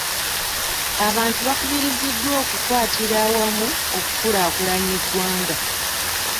Abantu bakubiriziddwa okukwatira awamu okukulaakulanya eggwanga.